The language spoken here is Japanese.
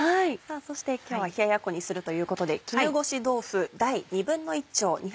そして今日は冷ややっこにするということで。